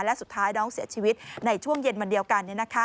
และสุดท้ายน้องเสียชีวิตในช่วงเย็นวันเดียวกัน